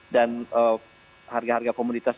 dan harga harga komunitas